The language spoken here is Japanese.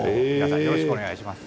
よろしくお願いします。